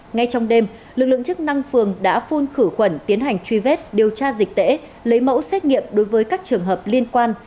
ngay trong đêm lực lượng chức năng phường đã phun khử khuẩn tiến hành truy vết điều tra dịch tễ lấy mẫu xét nghiệm đối với các trường hợp liên quan